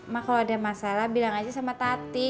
ma kalo ada masalah bilang aja sama tati